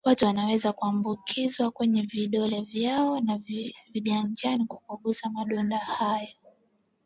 Watu wanaweza kuambukizwa kwenye vidole vyao na viganjani kwa kugusa madonda hayo